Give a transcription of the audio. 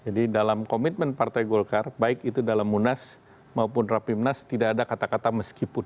jadi dalam komitmen partai golkar baik itu dalam munas maupun rapimnas tidak ada kata kata meskipun